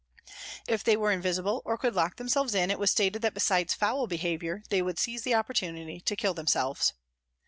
If they were invisible or could lock themselves in, it was stated that besides foul behaviour they would seize the opportunity to kill themselves.